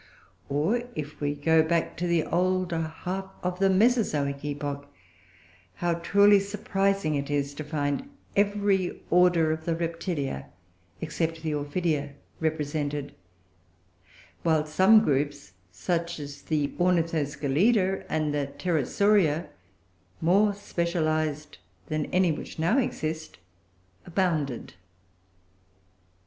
Or, if we go back to the older half of the Mesozoic epoch, how truly surprising it is to find every order of the Reptilia, except the Ophidia, represented; while some groups, such as the Ornithoseclida and the Pterosauria, more specialised than any which now exist, abounded.